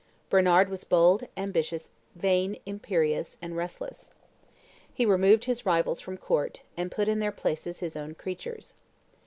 Bernard was bold, ambitious, vain, imperious, and restless. He removed his rivals from court, and put in their places his own creatures.